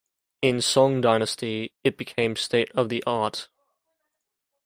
In Song Dynasty, it became state of the art.